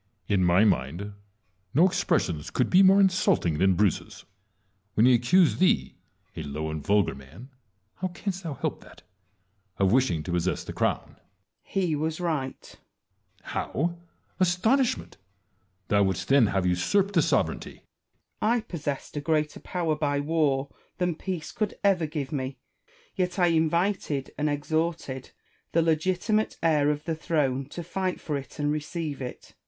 In my mind no expressions could be more insulting than Bruce's, when he accused thee, a low and vulgar man (how canst thou help that?), of wishing to possess the crown. Wallace. He was right. Edward. How ! astonishment ! Thou wouldst, then, have usurped the sovereignty ! WALLACE AND KING EDWARD L iii Wallace. I possessed a greater power by war than peace could ever give me ; yet I invited and exhorted the legiti mate heir of the throne to fight for it and receive it.